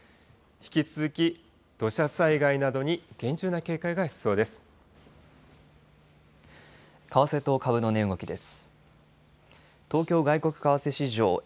引き続き土砂災害などに厳重な警戒が必要です。